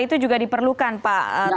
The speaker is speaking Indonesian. itu juga diperlukan pak